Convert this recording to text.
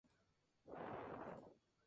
Campeonato caboverdiano de fútbol